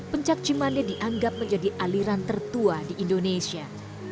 pencac cemande dianggap menjadi aliran tertua di indonesia